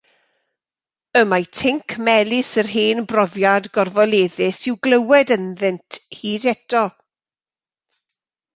Y mae tinc melys yr hen brofiad gorfoleddus i'w glywed ynddynt hyd eto.